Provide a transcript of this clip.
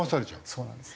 そうなんです。